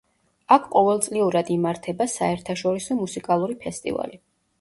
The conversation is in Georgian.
აქ ყოველწლიურად იმართება, საერთაშორისო მუსიკალური ფესტივალი.